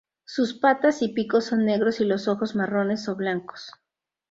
Sus patas y pico son negros y los ojos marrones o blancos.